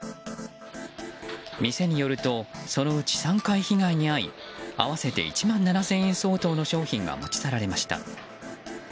店によるとそのうち３回被害に遭い合わせて１万７０００円相当の商品が持ち去られました。